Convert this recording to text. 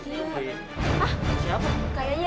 ini bisa perut tadi